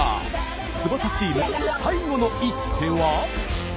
翼チーム最後の一手は？